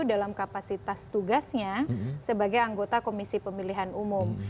dalam kapasitas tugasnya sebagai anggota komisi pemilihan umum